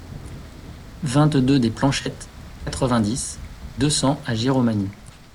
vingt-deux des Planchettes, quatre-vingt-dix, deux cents à Giromagny